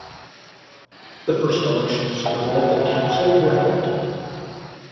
The first elections for the local council were held.